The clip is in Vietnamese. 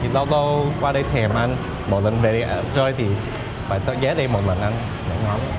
lâu lâu qua đây thèm ăn một lần về đây chơi thì phải tới đây một lần ăn rất là ngon